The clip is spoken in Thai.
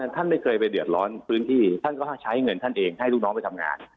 ท่านไม่เคยไปเดือดร้อนพื้นที่ท่านก็ใช้เงินท่านเองให้ลูกน้องไปทำงาน